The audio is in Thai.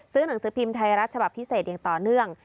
หนังสือพิมพ์ไทยรัฐฉบับพิเศษอย่างต่อเนื่อง